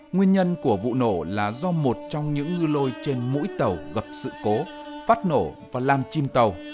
nguyên nhân của vụ nổ là do một trong những ngư lôi trên mũi tàu gặp sự cố phát nổ và làm chim tàu